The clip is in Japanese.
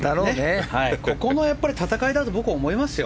ここの戦いだと僕は思いますよ。